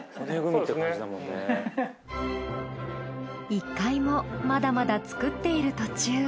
１階もまだまだ作っている途中。